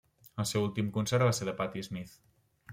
El seu últim concert va ser de Patti Smith.